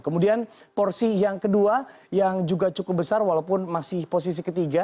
kemudian porsi yang kedua yang juga cukup besar walaupun masih posisi ketiga